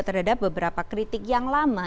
terhadap beberapa kritik yang lama